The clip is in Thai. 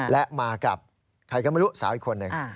และมากับใครก็ไม่รู้สาวอีกคนหนึ่ง